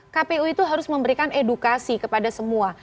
kpu itu harus memberikan edukasi kepada semua